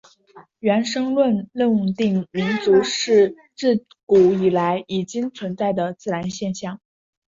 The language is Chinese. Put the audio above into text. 原生论认定民族是至古以来已经存在的自然现象。